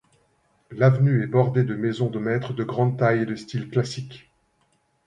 L'avenue est bordée de maisons de maître de grande taille et de style classique.